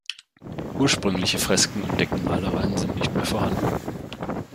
Ursprüngliche Fresken und Deckenmalereien sind nicht mehr vorhanden.